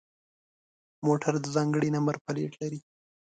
موټر د ځانگړي نمبر پلیت لري.